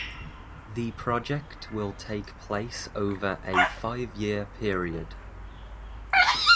The project will take place over a five-year period.